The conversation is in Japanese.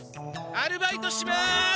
アルバイトします！